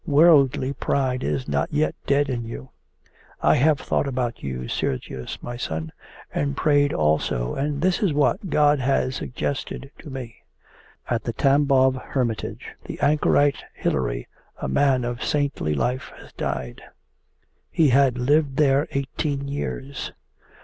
Worldly pride is not yet dead in you. I have thought about you, Sergius my son, and prayed also, and this is what God has suggested to me. At the Tambov hermitage the anchorite Hilary, a man of saintly life, has died. He had lived there eighteen years.